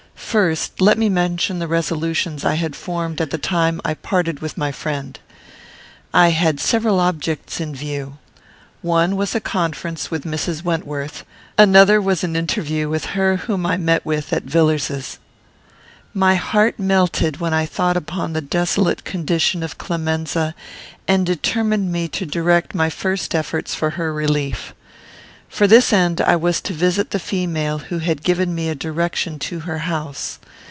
First, let me mention the resolutions I had formed at the time I parted with my friend. I had several objects in view. One was a conference with Mrs. Wentworth; another was an interview with her whom I met with at Villars's. My heart melted when I thought upon the desolate condition of Clemenza, and determined me to direct my first efforts for her relief. For this end I was to visit the female who had given me a direction to her house.